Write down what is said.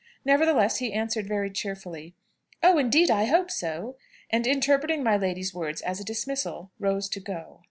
Nevertheless, he answered very cheerfully: "Oh, indeed, I hope so!" And interpreting my lady's words as a dismissal, rose to go.